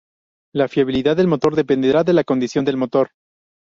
La fiabilidad del motor dependerá de la condición del motor.